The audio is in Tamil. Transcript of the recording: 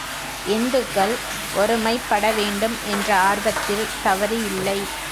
இந்துக்கள் ஒருமைப்படவேண்டும் என்ற ஆர்வத்தில் தவறு இல்லை.